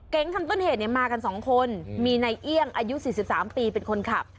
เก๋งคันต้นเหตุเนี่ยมากันสองคนมีนายเอี่ยงอายุสี่สิบสามปีเป็นคนขับ